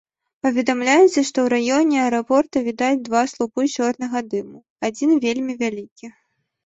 Паведамляецца, што ў раёне аэрапорта відаць два слупы чорнага дыму, адзін вельмі вялікі.